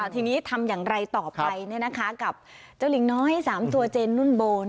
ทีนี้ทำอย่างไรต่อไปกับเจ้าลิงน้อย๓ตัวเจนนุ่นโบ